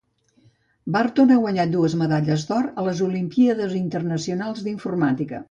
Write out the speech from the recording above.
Barton ha guanyat dues medalles d'or a les Olimpíades internacionals d'informàtica.